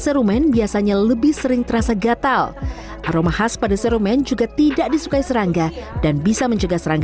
serumen biasanya lebih sering terasa gatal aroma khas pada serumen juga tidak disukai serangga dan bisa menjaga serangga